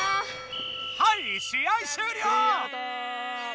はいしあいしゅうりょう！